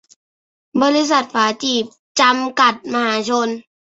บริษัท ฝาจีบ จำกัด มหาชน